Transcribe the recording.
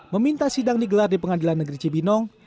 meminta sidang digelar di pengadilan negeri cibinong